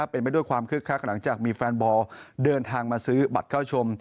เป็นไปด้วยความคึกคักหลังจากมีแฟนบอลเดินทางมาซื้อบัตรเข้าชม